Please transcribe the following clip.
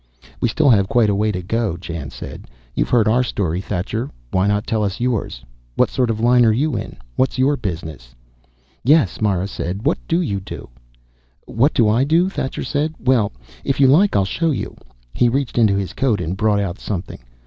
"We still have quite a way to go," Jan said. "You've heard our story, Thacher. Why not tell us yours? What sort of line are you in? What's your business?" "Yes," Mara said. "What do you do?" "What do I do?" Thacher said. "Well, if you like, I'll show you." He reached into his coat and brought out something.